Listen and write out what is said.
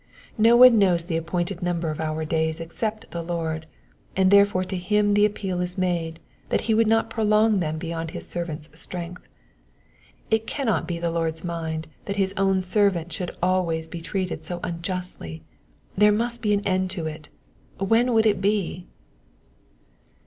No ono knows the appointed number of our days except the Lord, and therefore to him the appeal is made that he would not prolong them beyond his servant's strength. It cannot be the Lord's mind that his own servant should always be treated so unjustly ; there must be an end to it ; when would it be